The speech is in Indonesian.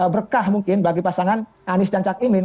berkah mungkin bagi pasangan anies dan cakimin